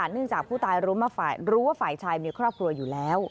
จากผู้ตายรู้ว่าฝ่ายชายมีครอบครัวอยู่แล้ว